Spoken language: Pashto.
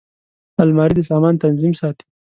الماري د سامان تنظیم ساتي